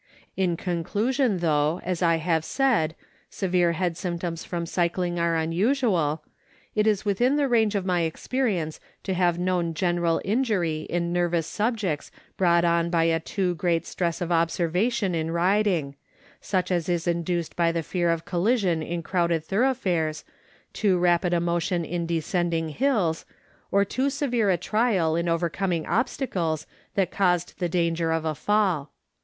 In conclusion, though, as I have said, severe 186 THE NORTH AMERICAN REVIEW. head symptoms from cycling are unusual, it is within the range of my experience to have known general injury in nervous sub jects brought on by a too great stress of observation in riding, such as is induced by the fear of collision in crowded thorough fares, too rapid a motion in descending hills, or too severe a trial in overcoming obstacles that caused the danger of a fall.